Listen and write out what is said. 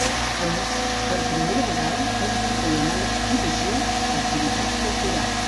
A més, per primera vegada es vinculen a l'exposició activitats culturals.